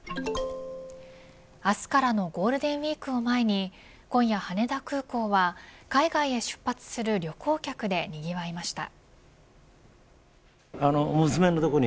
明日からのゴールデンウイークを前に今夜、羽田空港は海外へ出発する旅行客でにぎわいました。